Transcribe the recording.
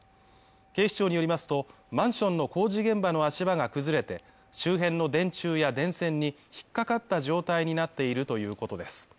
警視庁によりますと、マンションの工事現場の足場が崩れて、周辺の電柱や電線に引っかかった状態になっているということです。